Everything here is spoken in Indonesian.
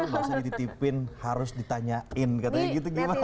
biasanya dititipin harus ditanyain katanya gitu gimana dong